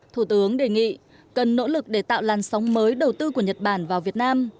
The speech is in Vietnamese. thủ tướng đề nghị cần nỗ lực để tạo làn sóng mới đầu tư của nhật bản vào việt nam